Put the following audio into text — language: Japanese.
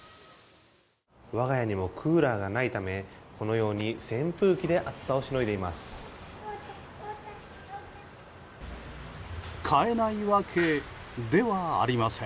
我が家にもクーラーがないためこのように扇風機で暑さをしのいでいます。